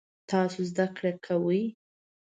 تاسو زده کړی کوئ؟